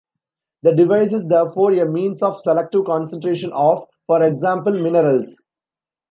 The device is therefore a means of selective concentration of, for example, minerals.